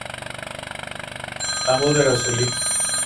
Ambos de gasolina y del tipo Sierra.